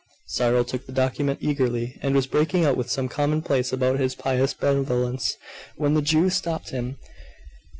Cyril took the document eagerly, and was breaking out with some commonplace about pious benevolence, when the Jew stopped him.